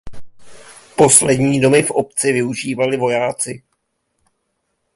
Poslední domy v obci využívali vojáci.